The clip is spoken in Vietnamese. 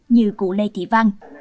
như cụ lê thị văn